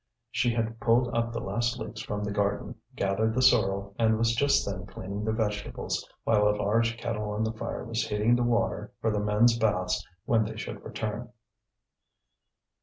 She had pulled up the last leeks from the garden, gathered the sorrel, and was just then cleaning the vegetables, while a large kettle on the fire was heating the water for the men's baths when they should return.